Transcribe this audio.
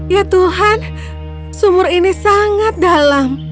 ya tuhan sumur ini sangat dalam